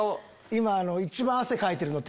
今。